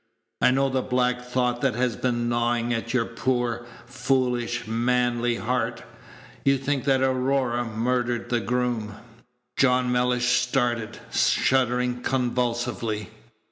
I know the black thought that has been gnawing at your poor, foolish, manly, heart: you think that Aurora murdered the groom!" John Mellish started, shuddering convulsively.